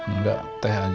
enggak teh aja